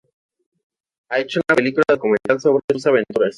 Ha hecho una película documental sobre sus aventuras.